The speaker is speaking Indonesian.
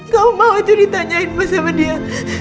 kamu mau itu ditanyain mas sama dia